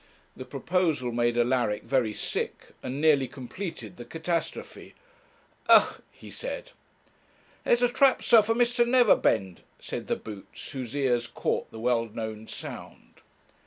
The proposal made Alaric very sick, and nearly completed the catastrophe. 'Ugh!' he said. 'There's the trap, sir, for Mr. Neverbend,' said the boots, whose ears caught the well known sound.